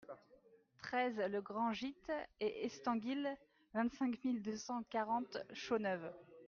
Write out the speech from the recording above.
treize le Grand Git et Estanguill, vingt-cinq mille deux cent quarante Chaux-Neuve